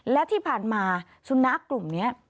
และที่ผ่านมาสุนัขกลุ่มนี้